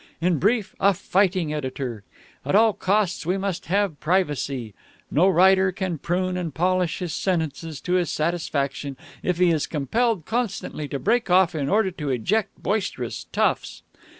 In brief, a fighting editor. At all costs we must have privacy. No writer can prune and polish his sentences to his satisfaction if he is compelled constantly to break off in order to eject boisterous toughs.